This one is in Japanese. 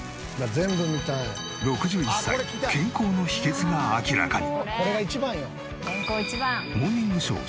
６１歳健康の秘訣が明らかに。